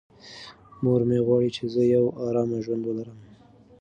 مور مې غواړي چې زه یو ارام ژوند ولرم.